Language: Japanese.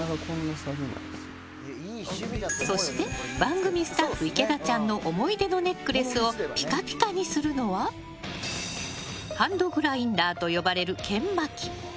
そして番組スタッフ池田ちゃんの思い出のネックレスをピカピカにするのはハンドグラインダーと呼ばれる研磨機。